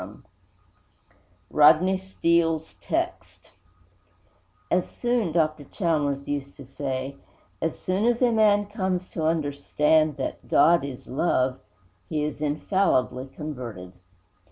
X RODNEY STEELE'S TEXT I 'As soon,' Dr. Chalmers used to say, 'as soon as a man comes to understand that GOD IS LOVE, he is infallibly converted.'